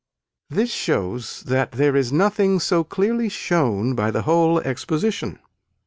This shows that there is nothing so clearly shown by the whole exposition.